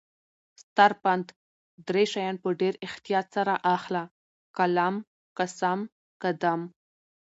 ستر پند: دری شیان په ډیر احتیاط سره اخله: قلم ، قسم، قدم